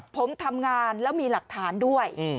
ผมทำงานแล้วมีหลักฐานด้วย